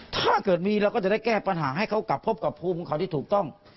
ถ้าเกิดมีเราก็จะได้แก้ปัญหาให้เขากลับพบกับภูมิของเขาที่ถูกต้อง